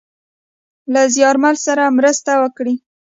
له زیارمل سره مرسته وکړﺉ .